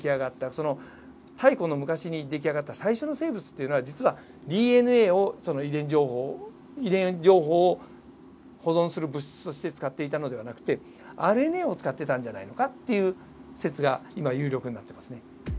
その太古の昔に出来上がった最初の生物っていうのは実はＤＮＡをその遺伝情報を保存する物質として使っていたのではなくてＲＮＡを使ってたんじゃないのかっていう説が今有力になってますね。